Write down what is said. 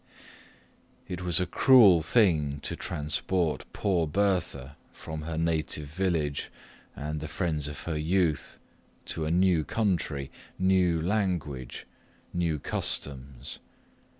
It was a cruel thing to transport poor Bertha from her native village, and the friends of her youth, to a new country, new language, new customs.